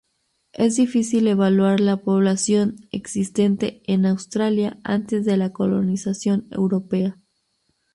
Es difícil evaluar la población existente en Australia antes de la colonización europea.